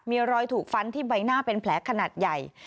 มีรอยถูกฟันที่ใบหน้าเป็นแผลขนาดใหญ่